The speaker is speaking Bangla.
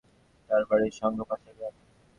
তাঁর বাড়ি শংকর পাশা গ্রামে।